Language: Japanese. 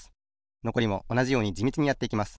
のこりもおなじようにじみちにやっていきます。